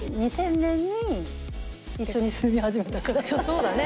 そうだね。